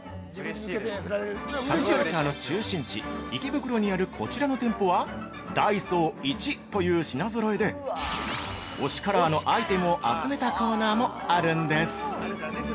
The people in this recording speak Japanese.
サブカルチャーの中心地池袋にあるこちらの店舗はダイソーイチという品ぞろえで推しカラーのアイテムを集めたコーナーもあるんです。